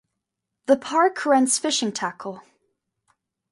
The park rents fishing tackle.